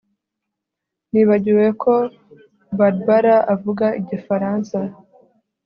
Nibagiwe ko Barbara avuga igifaransa